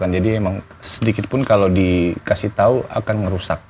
jadi emang sedikitpun kalau dikasih tau akan ngerusak